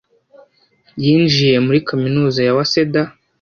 Yinjiye muri kaminuza ya Waseda.